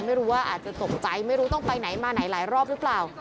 ไม่รู้ว่าอาจจะตกใจไม่รู้ต้องไปไหนมาไหนหลายรอบหรือเปล่า